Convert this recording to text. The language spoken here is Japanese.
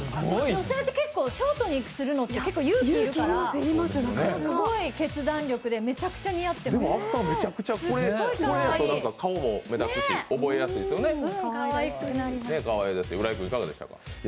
女性ってショートにするのって結構勇気いるからすごい決断力で、めちゃくちゃ似合ってます、すっごいかわいい。